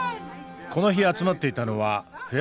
この日集まっていたのはフェア